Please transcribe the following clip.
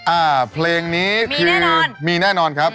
อ่าเพลงนี้คือเรื่องนี้คือมีแน่นอนครับ